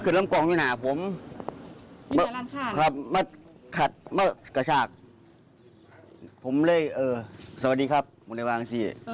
ที่อืมดังสังคสีสังคสีดังตั้ง